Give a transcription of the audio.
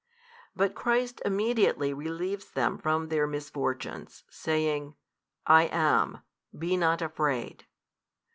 But Christ immediately relieves them from their misfortunes, saying, I am, be not afraid.